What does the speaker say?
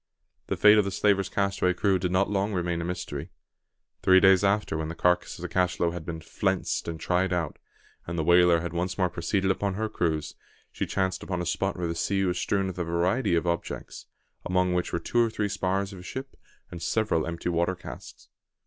The fate of the slaver's castaway crew did not long remain a mystery. Three days after, when the carcass of the cachalot had been "flensed" and tried out, and the whaler had once more proceeded upon her cruise, she chanced upon a spot where the sea was strewn with a variety of objects, among which were two or three spars of a ship, and several empty water casks.